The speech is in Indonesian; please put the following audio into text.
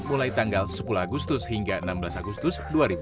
mulai tanggal sepuluh agustus hingga enam belas agustus dua ribu dua puluh